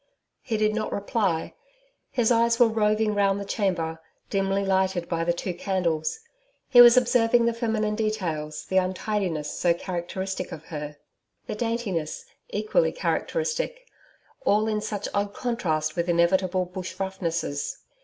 He did not reply. His eyes were roving round the chamber, dimly lighted by the two candles. He was observing the feminine details the untidinesses so characteristic of her; the daintinesses, equally characteristic all in such odd contrast with inevitable bush roughnesses.